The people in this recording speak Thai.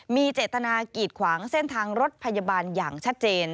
มีเจตนากีดขวางเส้นทางรถพยาบาลอย่างชัดเจน